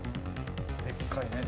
でっかいね。